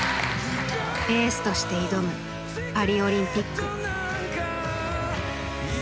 エースとして挑むパリオリンピック。